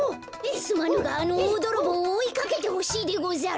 すまぬがあのおおどろぼうをおいかけてほしいでござる。